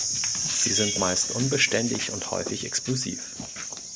Sie sind meist unbeständig und häufig explosiv.